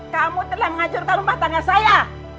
kamu telah menghancurkan rumah tangga saya